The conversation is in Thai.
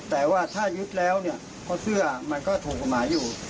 แต่ว่าถ้ายึดแล้วเนี่ยเพราะเสื้อมันก็ถูกกฎหมายอยู่